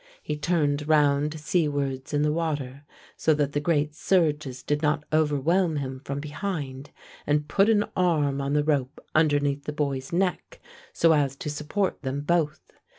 He turned round seawards in the water so that the great surges did not overwhelm him from behind, and put an arm on the rope underneath the boy's neck, so as to support them both.